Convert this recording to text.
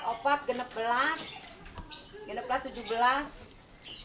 iya opat opat genep belas